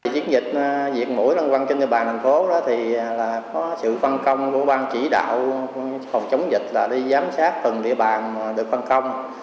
chiến dịch diệt mũi loang quang trên địa bàn thành phố có sự phân công của bang chỉ đạo phòng chống dịch là đi giám sát từng địa bàn được phân công